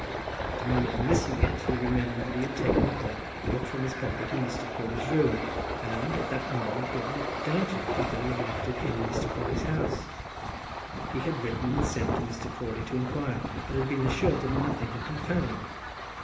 At the moment of missing it he remembered that he had taken the book out from his pocket in Mr. Crawley's room, and, at that moment, he had not doubted but that he had left it in Mr. Crawley's house. He had written and sent to Mr. Crawley to inquire, but had been assured that nothing had been found.